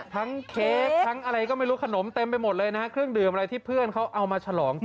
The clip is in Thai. เค้กทั้งอะไรก็ไม่รู้ขนมเต็มไปหมดเลยนะฮะเครื่องดื่มอะไรที่เพื่อนเขาเอามาฉลอง